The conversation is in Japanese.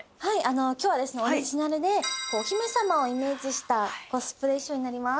今日はオリジナルでお姫様をイメージしたコスプレーションになります。